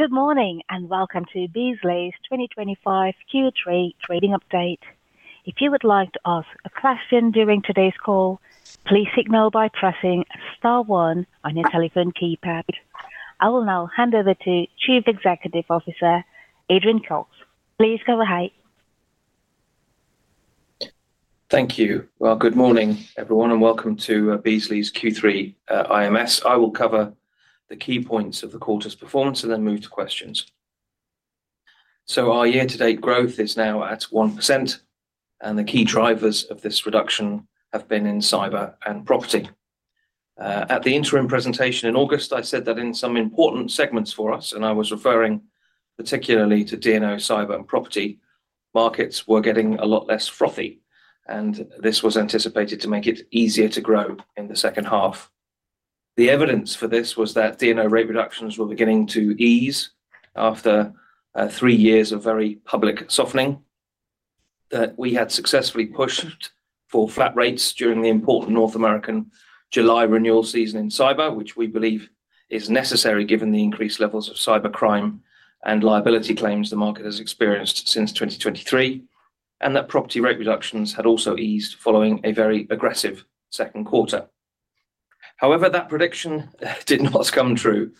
Good morning and welcome to Beazley's 2025 Q3 Trading Update. If you would like to ask a question during today's call, please signal by pressing star one on your telephone keypad. I will now hand over to Chief Executive Officer Adrian Cox. Please go ahead. Thank you. Good morning, everyone, and welcome to Beazley's Q3 IMS. I will cover the key points of the quarter's performance and then move to questions. Our year-to-date growth is now at 1%, and the key drivers of this reduction have been in cyber and property. At the interim presentation in August, I said that in some important segments for us, and I was referring particularly to D&O, cyber, and property, markets were getting a lot less frothy, and this was anticipated to make it easier to grow in the second half. The evidence for this was that D&O rate reductions were beginning to ease after three years of very public softening, that we had successfully pushed for flat rates during the important North American July renewal season in cyber, which we believe is necessary given the increased levels of cyber crime and liability claims the market has experienced since 2023, and that property rate reductions had also eased following a very aggressive second quarter. However, that prediction did not come true.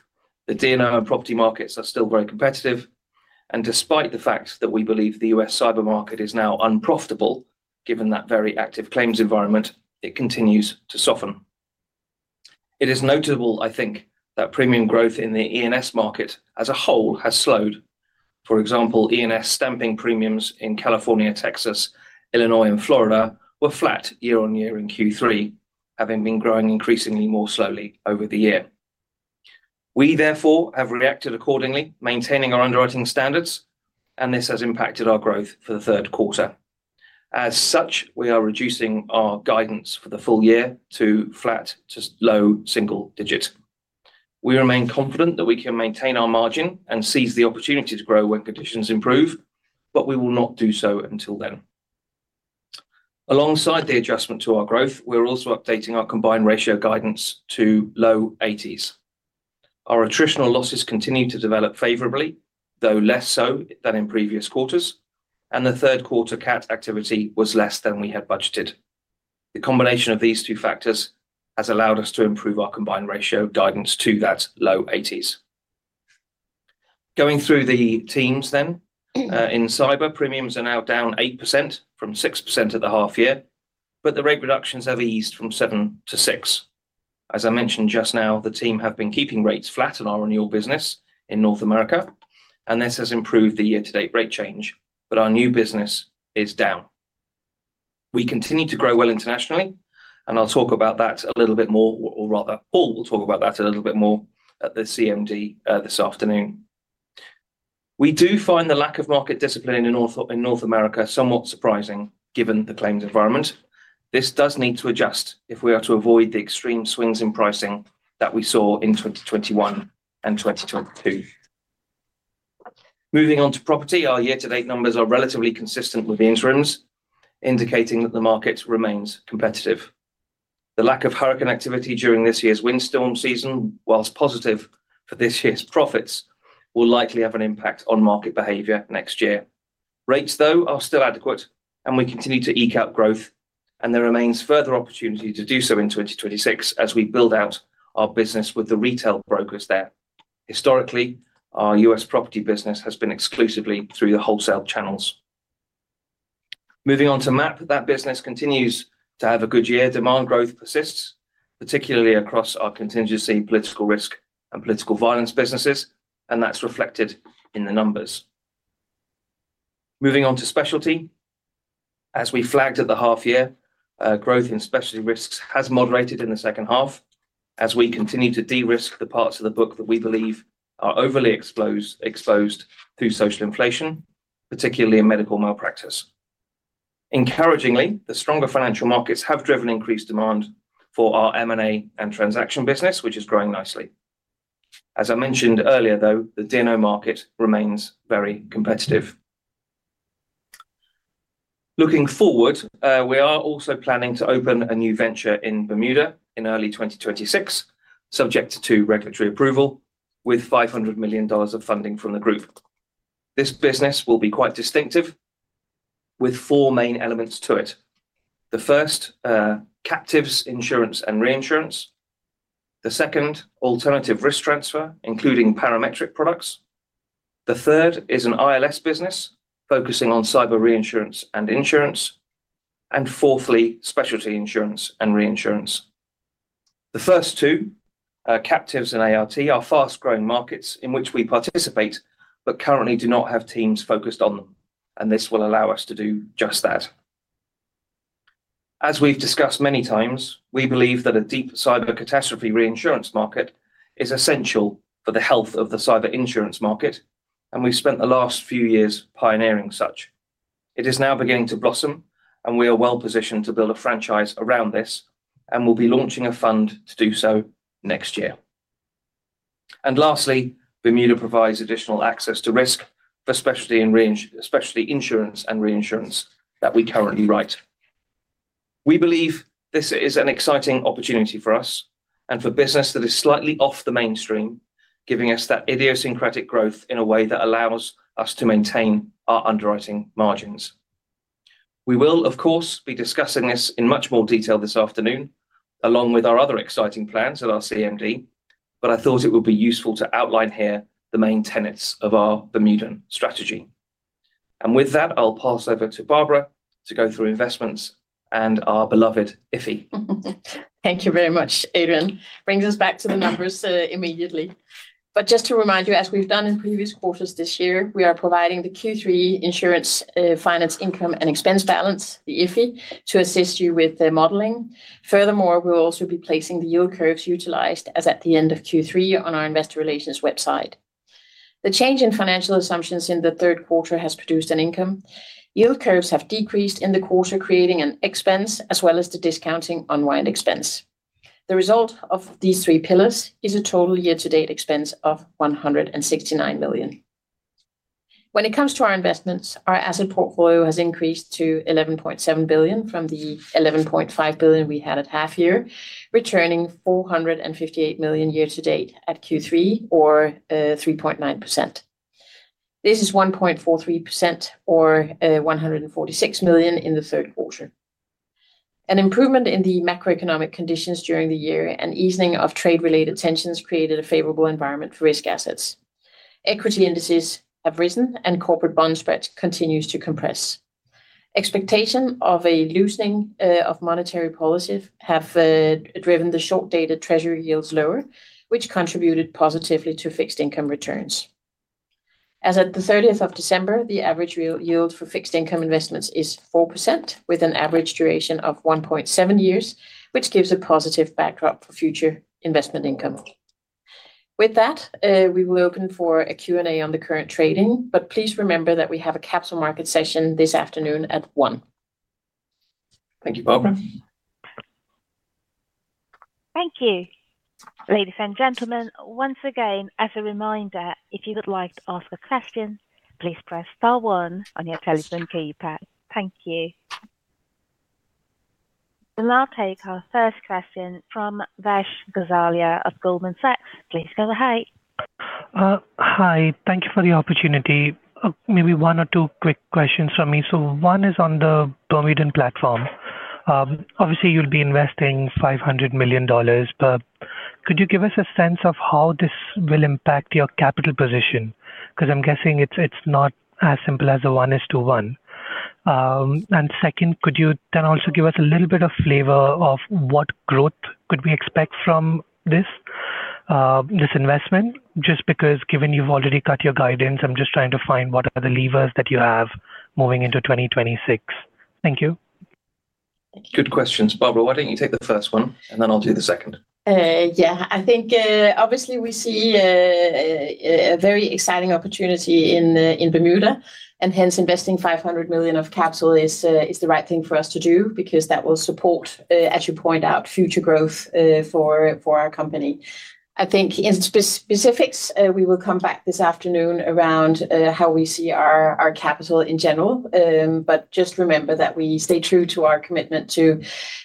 The D&O and property markets are still very competitive, and despite the fact that we believe the U.S. cyber market is now unprofitable, given that very active claims environment, it continues to soften. It is notable, I think, that premium growth in the E&S market as a whole has slowed. For example, E&S stamping premiums in California, Texas, Illinois, and Florida were flat year-on-year in Q3, having been growing increasingly more slowly over the year. We, therefore, have reacted accordingly, maintaining our underwriting standards, and this has impacted our growth for the third quarter. As such, we are reducing our guidance for the full year to flat to low single digits. We remain confident that we can maintain our margin and seize the opportunity to grow when conditions improve, but we will not do so until then. Alongside the adjustment to our growth, we're also updating our combined ratio guidance to low 80s. Our attritional losses continue to develop favorably, though less so than in previous quarters, and the third quarter CAT activity was less than we had budgeted. The combination of these two factors has allowed us to improve our combined ratio guidance to that low 80s. Going through the teams then, in cyber, premiums are now down 8% from 6% at the half year, but the rate reductions have eased from 7%-6%. As I mentioned just now, the team have been keeping rates flat in our renewal business in North America, and this has improved the year-to-date rate change, but our new business is down. We continue to grow well internationally, and I'll talk about that a little bit more, or rather, Paul will talk about that a little bit more at the CMD this afternoon. We do find the lack of market discipline in North America somewhat surprising given the claims environment. This does need to adjust if we are to avoid the extreme swings in pricing that we saw in 2021 and 2022. Moving on to property, our year-to-date numbers are relatively consistent with the interims, indicating that the market remains competitive. The lack of hurricane activity during this year's windstorm season, whilst positive for this year's profits, will likely have an impact on market behavior next year. Rates, though, are still adequate, and we continue to eke out growth, and there remains further opportunity to do so in 2026 as we build out our business with the retail brokers there. Historically, our U.S. property business has been exclusively through the wholesale channels. Moving on to MAP, that business continues to have a good year. Demand growth persists, particularly across our contingency political risk and political violence businesses, and that's reflected in the numbers. Moving on to specialty, as we flagged at the half year, growth in specialty risks has moderated in the second half as we continue to de-risk the parts of the book that we believe are overly exposed through social inflation, particularly in medical malpractice. Encouragingly, the stronger financial markets have driven increased demand for our M&A and transaction business, which is growing nicely. As I mentioned earlier, though, the D&O market remains very competitive. Looking forward, we are also planning to open a new venture in Bermuda in early 2026, subject to regulatory approval, with $500 million of funding from the group. This business will be quite distinctive, with four main elements to it. The first, captives, insurance and reinsurance. The second, alternative risk transfer, including parametric products. The third is an ILS business focusing on cyber reinsurance and insurance. And fourthly, specialty insurance and reinsurance. The first two, captives and ART, are fast-growing markets in which we participate, but currently do not have teams focused on them, and this will allow us to do just that. As we've discussed many times, we believe that a deep cyber catastrophe reinsurance market is essential for the health of the cyber insurance market, and we've spent the last few years pioneering such. It is now beginning to blossom, and we are well positioned to build a franchise around this, and we will be launching a fund to do so next year. Lastly, Bermuda provides additional access to risk for specialty insurance and reinsurance that we currently write. We believe this is an exciting opportunity for us and for business that is slightly off the mainstream, giving us that idiosyncratic growth in a way that allows us to maintain our underwriting margins. We will, of course, be discussing this in much more detail this afternoon, along with our other exciting plans at our CMD, but I thought it would be useful to outline here the main tenets of our Bermudan strategy. With that, I'll pass over to Barbara to go through investments and our beloved IFI. Thank you very much, Adrian. Brings us back to the numbers immediately. Just to remind you, as we've done in previous quarters this year, we are providing the Q3 insurance finance income and expense balance, the IFI, to assist you with the modeling. Furthermore, we'll also be placing the yield curves utilized as at the end of Q3 on our Investor Relations website. The change in financial assumptions in the third quarter has produced an income. Yield curves have decreased in the quarter, creating an expense as well as the discounting unwind expense. The result of these three pillars is a total year-to-date expense of $169 million. When it comes to our investments, our asset portfolio has increased to $11.7 billion from the $11.5 billion we had at half year, returning $458 million year-to-date at Q3, or 3.9%. This is 1.43% or $146 million in the third quarter. An improvement in the macroeconomic conditions during the year and easing of trade-related tensions created a favorable environment for risk assets. Equity indices have risen, and corporate bond spreads continue to compress. Expectation of a loosening of monetary policy has driven the short-dated treasury yields lower, which contributed positively to fixed income returns. As of the 30th of December, the average yield for fixed income investments is 4%, with an average duration of 1.7 years, which gives a positive backdrop for future investment income. With that, we will open for a Q&A on the current trading, but please remember that we have a capital market session this afternoon at 1:00 P.M. Thank you, Barbara. Thank you, ladies and gentlemen. Once again, as a reminder, if you would like to ask a question, please press star one on your telephone keypad. Thank you. I will take our first question from Vash Gosalia of Goldman Sachs. Please go ahead. Hi, thank you for the opportunity. Maybe one or two quick questions from me. One is on the Bermudan platform. Obviously, you'll be investing $500 million, but could you give us a sense of how this will impact your capital position? Because I'm guessing it's not as simple as a one to one. Could you then also give us a little bit of flavor of what growth could we expect from this investment? Just because given you've already cut your guidance, I'm just trying to find what are the levers that you have moving into 2026. Thank you. Good questions. Barbara, why don't you take the first one, and then I'll do the second. Yeah, I think obviously we see a very exciting opportunity in Bermuda, and hence investing $500 million of capital is the right thing for us to do because that will support, as you point out, future growth for our company. I think in specifics, we will come back this afternoon around how we see our capital in general, but just remember that we stay true to our commitment to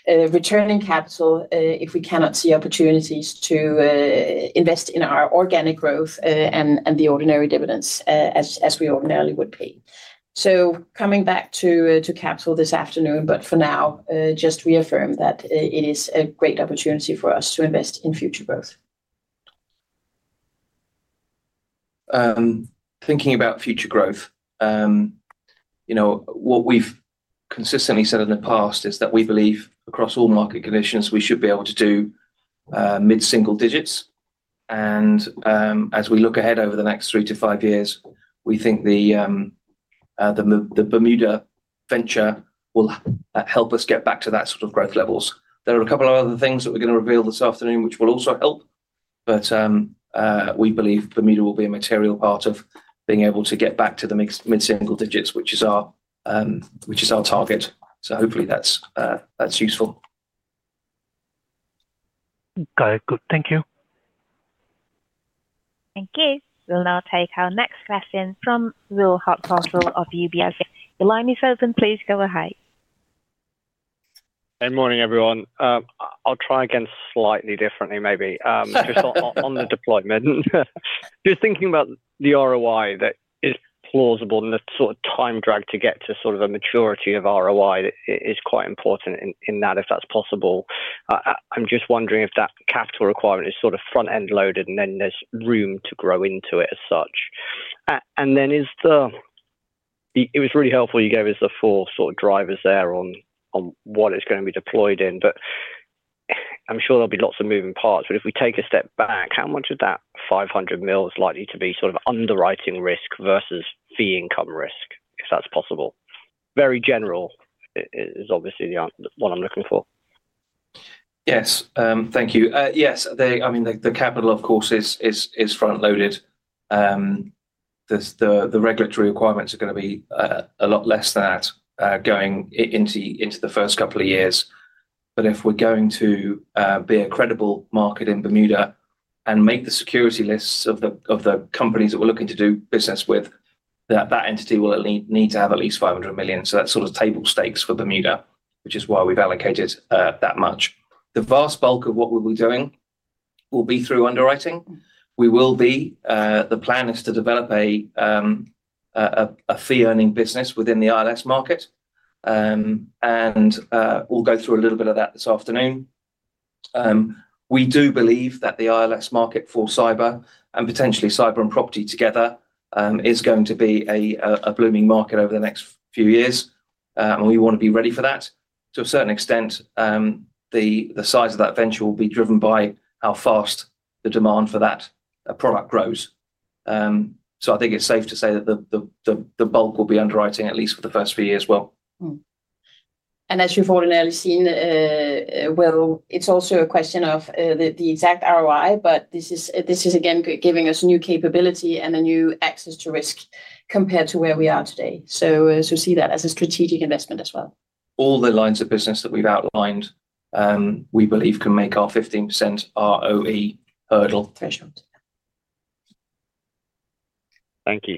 returning capital if we cannot see opportunities to invest in our organic growth and the ordinary dividends as we ordinarily would pay. Coming back to capital this afternoon, but for now, just reaffirm that it is a great opportunity for us to invest in future growth. Thinking about future growth, what we've consistently said in the past is that we believe across all market conditions we should be able to do mid-single digits. As we look ahead over the next 3 years-5 years, we think the Bermuda venture will help us get back to that sort of growth levels. There are a couple of other things that we're going to reveal this afternoon which will also help, but we believe Bermuda will be a material part of being able to get back to the mid-single digits, which is our target. Hopefully that's useful. Got it. Good. Thank you. Thank you. We'll now take our next question from Will Hardcastle of UBS. You'll line yourselves and please go ahead. Good morning, everyone. I'll try again slightly differently, maybe, just on the deployment. Just thinking about the ROI that is plausible and the sort of time drag to get to sort of a maturity of ROI is quite important in that, if that's possible. I'm just wondering if that capital requirement is sort of front-end loaded and then there's room to grow into it as such. It was really helpful you gave us the four sort of drivers there on what it's going to be deployed in, but I'm sure there'll be lots of moving parts. If we take a step back, how much of that $500 million is likely to be sort of underwriting risk versus fee income risk, if that's possible? Very general is obviously the one I'm looking for. Yes, thank you. Yes, I mean, the capital, of course, is front-loaded. The regulatory requirements are going to be a lot less than that going into the first couple of years. If we're going to be a credible market in Bermuda and make the security lists of the companies that we're looking to do business with, that entity will need to have at least $500 million. That is sort of table stakes for Bermuda, which is why we've allocated that much. The vast bulk of what we'll be doing will be through underwriting. The plan is to develop a fee-earning business within the ILS market, and we'll go through a little bit of that this afternoon. We do believe that the ILS market for cyber and potentially cyber and property together is going to be a blooming market over the next few years, and we want to be ready for that. To a certain extent, the size of that venture will be driven by how fast the demand for that product grows. I think it's safe to say that the bulk will be underwriting at least for the first few years, as well. As you've already seen, it's also a question of the exact ROI, but this is, again, giving us new capability and a new access to risk compared to where we are today. See that as a strategic investment as well. All the lines of business that we've outlined, we believe can make our 15% ROE hurdle. Thank you.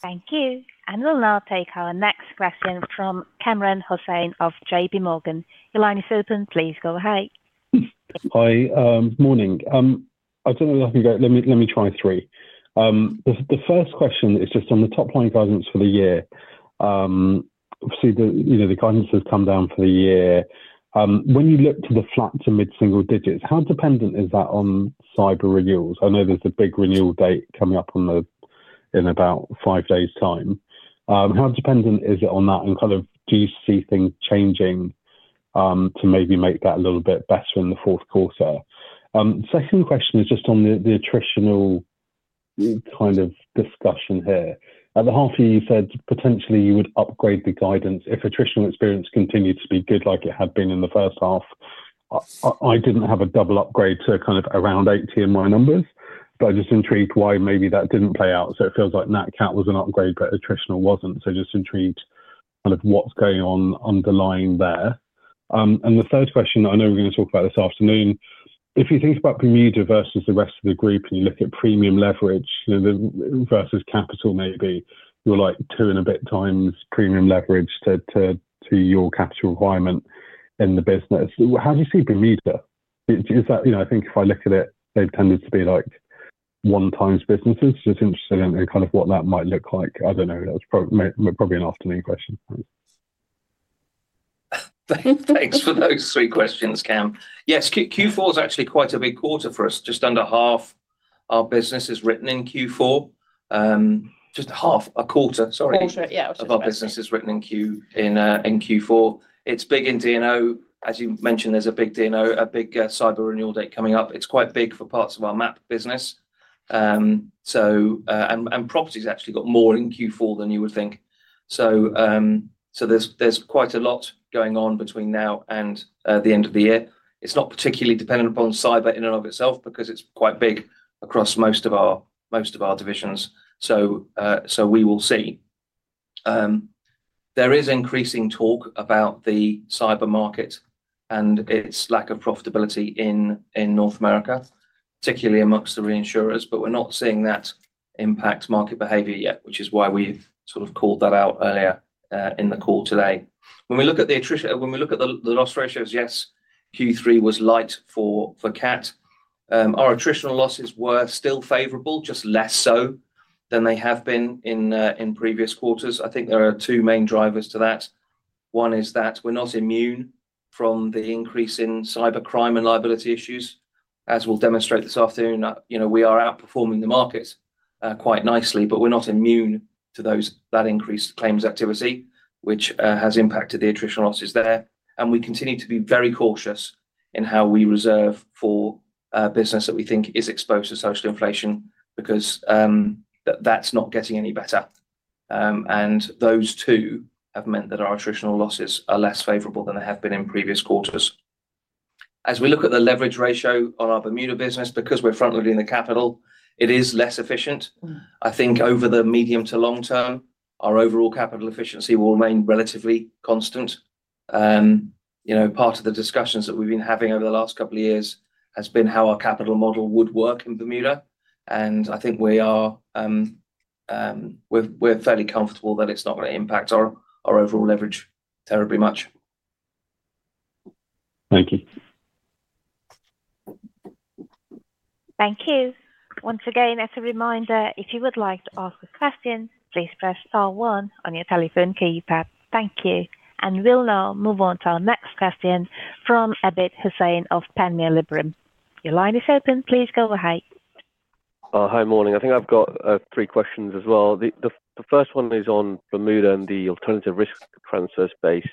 Thank you. We will now take our next question from Kamran Hossain of JPMorgan. Your line is open. Please go ahead. Hi, good morning. I don't know if I can go, let me try three. The first question is just on the top line guidance for the year. Obviously, the guidance has come down for the year. When you look to the flat to mid-single digits, how dependent is that on cyber renewals? I know there's a big renewal date coming up in about five days' time. How dependent is it on that? Do you see things changing to maybe make that a little bit better in the fourth quarter? Second question is just on the attritional kind of discussion here. At the half year, you said potentially you would upgrade the guidance if attritional experience continued to be good like it had been in the first half. I didn't have a double upgrade to kind of around 80 and more numbers, but I'm just intrigued why maybe that didn't play out. It feels like NatCat was an upgrade, but attritional wasn't. Just intrigued kind of what's going on underlying there. The third question, I know we're going to talk about this afternoon, if you think about Bermuda versus the rest of the group and you look at premium leverage versus capital, maybe you're like two and a bit times premium leverage to your capital requirement in the business. How do you see Bermuda? I think if I look at it, they've tended to be like one times businesses. Just interested in kind of what that might look like. I don't know. That was probably an afternoon question. Thanks for those three questions, Kam. Yes, Q4 is actually quite a big quarter for us. Just under half our business is written in Q4. Just half a quarter, sorry. Q4, yeah, of the business. Of our business is written in Q4. It's big in D&O. As you mentioned, there's a big D&O, a big cyber renewal date coming up. It's quite big for parts of our MAP business. And property's actually got more in Q4 than you would think. There is quite a lot going on between now and the end of the year. It's not particularly dependent upon cyber in and of itself because it's quite big across most of our divisions. We will see. There is increasing talk about the cyber market and its lack of profitability in North America, particularly amongst the reinsurers, but we're not seeing that impact market behavior yet, which is why we've sort of called that out earlier in the call today. When we look at the loss ratios, yes, Q3 was light for CAT. Our attritional losses were still favorable, just less so than they have been in previous quarters. I think there are two main drivers to that. One is that we're not immune from the increase in cyber crime and liability issues. As we'll demonstrate this afternoon, we are outperforming the market quite nicely, but we're not immune to that increased claims activity, which has impacted the attritional losses there. We continue to be very cautious in how we reserve for business that we think is exposed to social inflation because that's not getting any better. Those two have meant that our attritional losses are less favorable than they have been in previous quarters. As we look at the leverage ratio on our Bermuda business, because we're front-loading the capital, it is less efficient. I think over the medium to long term, our overall capital efficiency will remain relatively constant. Part of the discussions that we've been having over the last couple of years has been how our capital model would work in Bermuda. I think we're fairly comfortable that it's not going to impact our overall leverage terribly much. Thank you. Thank you. Once again, as a reminder, if you would like to ask a question, please press star one on your telephone keypad. Thank you. We will now move on to our next question from Abid Hussain of Panmure Liberum. Your line is open. Please go ahead. Hi, morning. I think I've got three questions as well. The first one is on Bermuda and the alternative risk transfer space.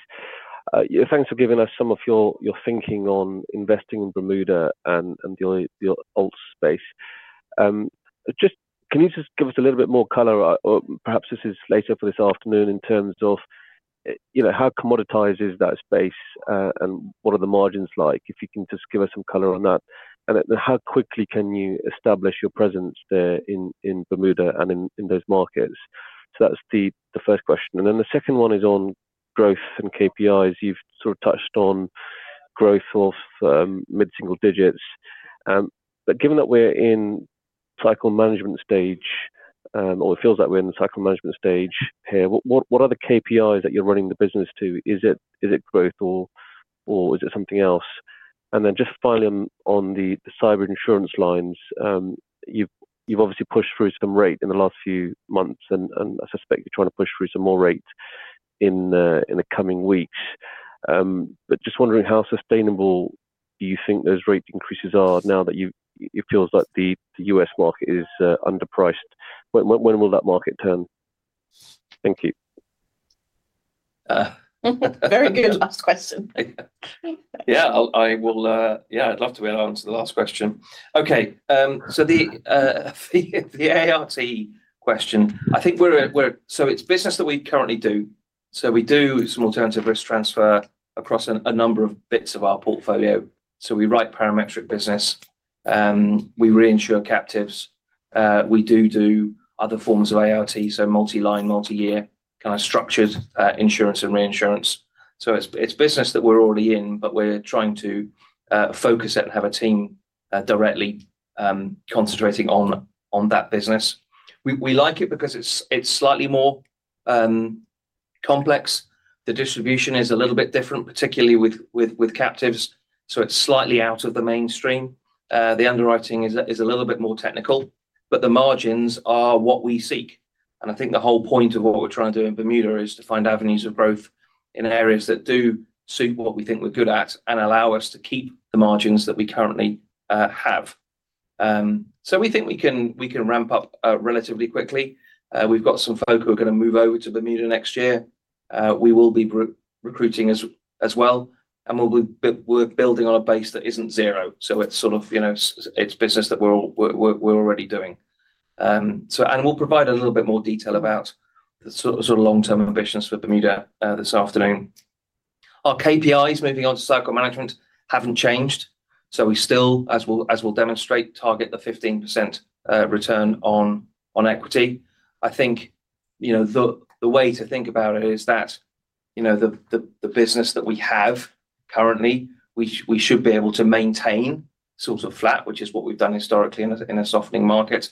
Thanks for giving us some of your thinking on investing in Bermuda and the ART space. Can you just give us a little bit more color? Perhaps this is later for this afternoon in terms of how commoditized is that space and what are the margins like? If you can just give us some color on that. How quickly can you establish your presence there in Bermuda and in those markets? That's the first question. The second one is on growth and KPIs. You've sort of touched on growth of mid-single digits. Given that we're in cycle management stage, or it feels like we're in the cycle management stage here, what are the KPIs that you're running the business to? Is it growth or is it something else? Finally, on the cyber insurance lines, you've obviously pushed through some rate in the last few months, and I suspect you're trying to push through some more rate in the coming weeks. Just wondering how sustainable do you think those rate increases are now that it feels like the U.S. market is underpriced? When will that market turn? Thank you. Very good last question. Yeah, I'd love to be allowed to answer the last question. Okay, so the ART question. I think we're, so it's business that we currently do. We do some alternative risk transfer across a number of bits of our portfolio. We write parametric business. We reinsure captives. We do do other forms of ART, so multi-line, multi-year, kind of structured insurance and reinsurance. It's business that we're already in, but we're trying to focus it and have a team directly concentrating on that business. We like it because it's slightly more complex. The distribution is a little bit different, particularly with captives. It's slightly out of the mainstream. The underwriting is a little bit more technical, but the margins are what we seek. I think the whole point of what we're trying to do in Bermuda is to find avenues of growth in areas that do suit what we think we're good at and allow us to keep the margins that we currently have. We think we can ramp up relatively quickly. We've got some folk who are going to move over to Bermuda next year. We will be recruiting as well. We're building on a base that isn't zero. It's business that we're already doing. We will provide a little bit more detail about the sort of long-term ambitions for Bermuda this afternoon. Our KPIs moving on to cycle management haven't changed. We still, as we'll demonstrate, target the 15% return on equity. I think the way to think about it is that the business that we have currently, we should be able to maintain sort of flat, which is what we've done historically in a softening market.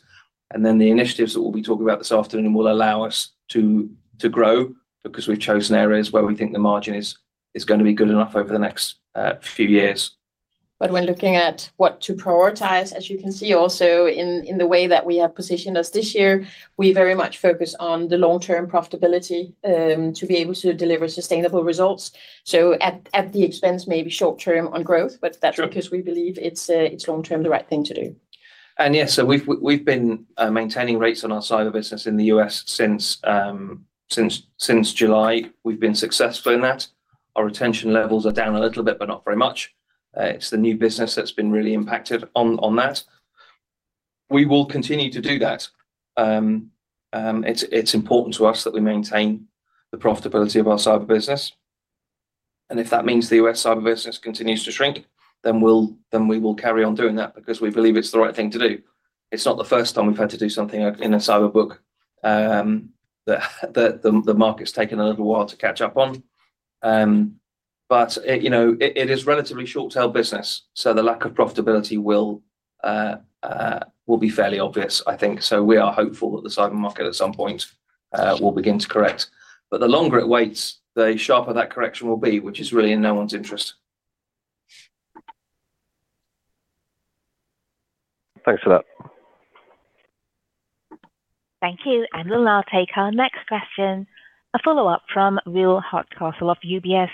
The initiatives that we'll be talking about this afternoon will allow us to grow because we've chosen areas where we think the margin is going to be good enough over the next few years. When looking at what to prioritize, as you can see also in the way that we have positioned us this year, we very much focus on the long-term profitability to be able to deliver sustainable results. At the expense maybe short-term on growth, but that's because we believe it's long-term the right thing to do. Yes, we have been maintaining rates on our cyber business in the U.S. since July. We have been successful in that. Our retention levels are down a little bit, but not very much. It is the new business that has been really impacted on that. We will continue to do that. It is important to us that we maintain the profitability of our cyber business. If that means the U.S. cyber business continues to shrink, we will carry on doing that because we believe it is the right thing to do. It is not the first time we have had to do something in a cyber book that the market has taken a little while to catch up on. It is relatively short-tail business, so the lack of profitability will be fairly obvious, I think. We are hopeful that the cyber market at some point will begin to correct. The longer it waits, the sharper that correction will be, which is really in no one's interest. Thanks for that. Thank you. We will now take our next question, a follow-up from Will Hardcastle of UBS.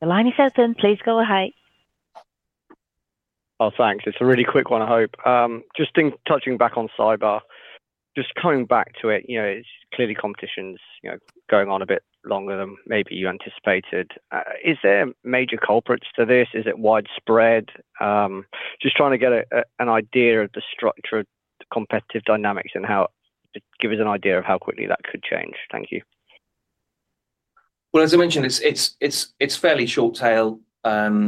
The line is open. Please go ahead. Oh, thanks. It's a really quick one, I hope. Just touching back on cyber, just coming back to it, it's clearly competition's going on a bit longer than maybe you anticipated. Is there major culprits to this? Is it widespread? Just trying to get an idea of the structure of competitive dynamics and give us an idea of how quickly that could change. Thank you. As I mentioned, it's fairly short-tail. The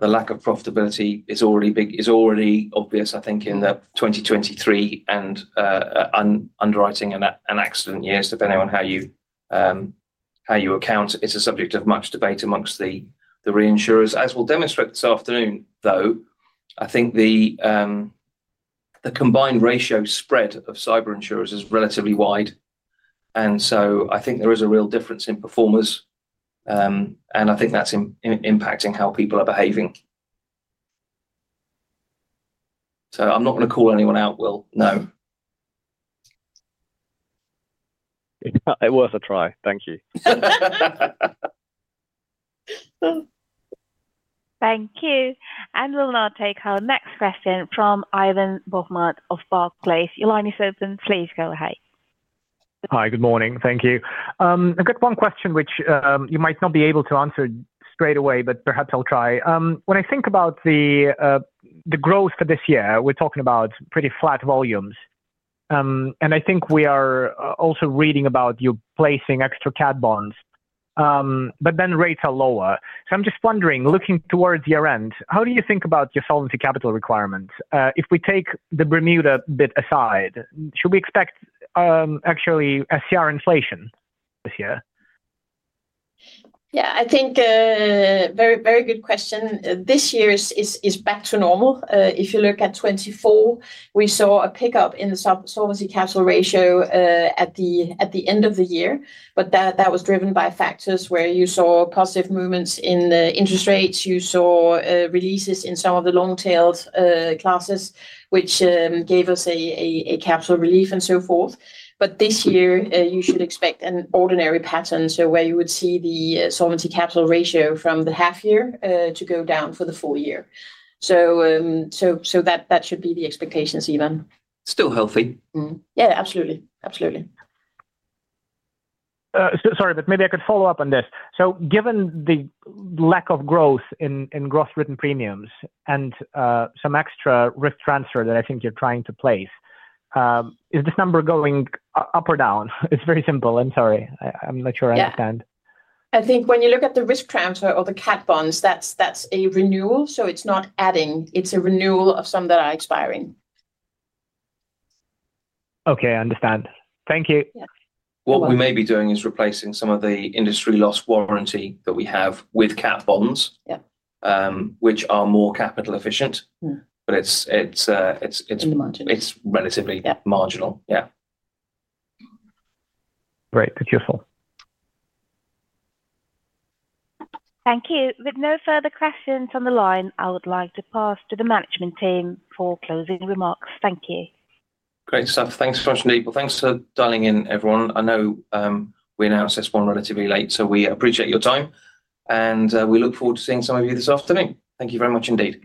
lack of profitability is already obvious, I think, in the 2023 and underwriting and accident years, depending on how you account. It's a subject of much debate amongst the reinsurers. As we'll demonstrate this afternoon, though, I think the combined ratio spread of cyber insurers is relatively wide. I think there is a real difference in performers. I think that's impacting how people are behaving. I'm not going to call anyone out, Will. No. It was a try. Thank you. Thank you. We will now take our next question from Ivan Bokhmat of Barclays. Your line is open. Please go ahead. Hi, good morning. Thank you. I've got one question which you might not be able to answer straight away, but perhaps I'll try. When I think about the growth for this year, we're talking about pretty flat volumes. I think we are also reading about you placing extra CAT bonds, but then rates are lower. I'm just wondering, looking towards year-end, how do you think about your solvency capital requirements? If we take the Bermuda bit aside, should we expect actually a CR inflation this year? Yeah, I think a very good question. This year is back to normal. If you look at 2024, we saw a pickup in the solvency capital ratio at the end of the year, but that was driven by factors where you saw positive movements in interest rates. You saw releases in some of the long-tailed classes, which gave us a capital relief and so forth. This year, you should expect an ordinary pattern, where you would see the solvency capital ratio from the half year to go down for the full year. That should be the expectations, Ivan. Still healthy. Yeah, absolutely. Absolutely. Sorry, but maybe I could follow up on this. Given the lack of growth in gross written premiums and some extra risk transfer that I think you're trying to place, is this number going up or down? It's very simple. I'm sorry. I'm not sure I understand. I think when you look at the risk transfer or the CAT bonds, that's a renewal. It is not adding. It is a renewal of some that are expiring. Okay, I understand. Thank you. What we may be doing is replacing some of the industry loss warranty that we have with CAT bonds, which are more capital efficient, but it's relatively marginal. Yeah. Great. That's useful. Thank you. With no further questions on the line, I would like to pass to the management team for closing remarks. Thank you. Great stuff. Thanks for coming in, everyone. I know we announced this one relatively late, so we appreciate your time. We look forward to seeing some of you this afternoon. Thank you very much indeed.